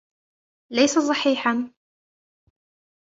ليس صحيحا.